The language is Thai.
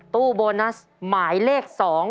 ตู้โบนัสหมายเลข๒